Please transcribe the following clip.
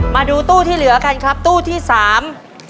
มาดูตู้ที่เหลือกันครับตู้ที่สาม